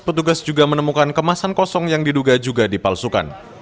petugas juga menemukan kemasan kosong yang diduga juga dipalsukan